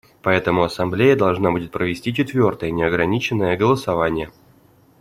Поэтому Ассамблея должна будет провести четвертое неограниченное голосование.